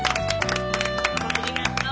ありがとう。